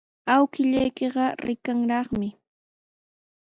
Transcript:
Awkilluykiqa rikanraqmi.